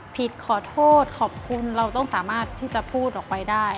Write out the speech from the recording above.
ขอโทษขอบคุณเราต้องสามารถที่จะพูดออกไปได้